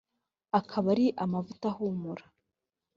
akaba ari amavuta ahumura